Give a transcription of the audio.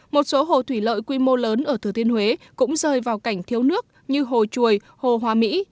một số hồ thủy lợi quy mô lớn ở thừa thiên huế cũng rơi vào cảnh thiếu nước như hồ chuồi hồ hóa mỹ